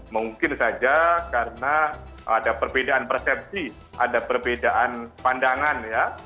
mungkin saja karena ada perbedaan persepsi ada perbedaan pandangan ya